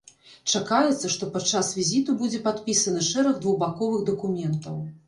Чакаецца, што падчас візіту будзе падпісаны шэраг двухбаковых дакументаў.